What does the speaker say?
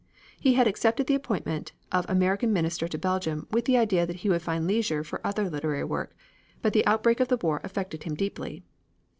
He had accepted the appointment of American Minister to Belgium with the idea that he would find leisure for other literary work, but the outbreak of the war affected him deeply.